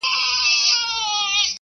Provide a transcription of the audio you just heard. ساعت په خپل وخت سره حرکت کوي.